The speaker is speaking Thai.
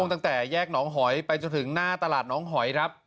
ตั้งแต่แยกหนองหอยไปจนถึงหน้าตลาดน้องหอยครับ